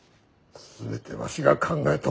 全てわしが考えたこと。